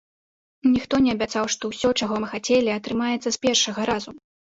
Ніхто не абяцаў, што ўсё, чаго мы хацелі, атрымаецца з першага разу.